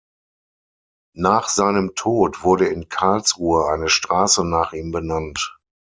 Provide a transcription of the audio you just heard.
Nach seinem Tod wurde in Karlsruhe eine Straße nach ihm benannt.